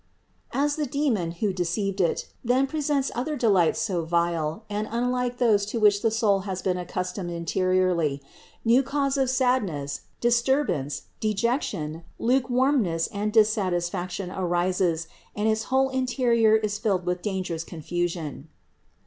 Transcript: As the demon, who deceived it, then presents other de lights so vile and unlike those to which the soul has been accustomed interiorly, new cause of sadness, disturbance, dejection, lukewarmness and dissatisfaction arises and its whole interior is filled with dangerous confusion.